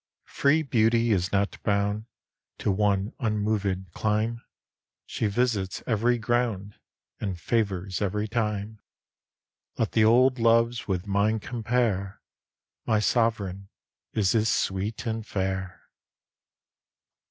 Free beauty is not bound To one unmovèd clime: She visits ev'ry ground, And favours ev'ry time. Let the old loves with mine compare, My Sov'raigne is as sweet and fair.